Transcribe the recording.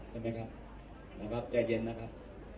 ใช่ไหมครับนะครับใจเย็นนะครับ